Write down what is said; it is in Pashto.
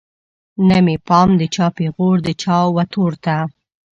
نه مې پام د چا پیغور د چا وتور ته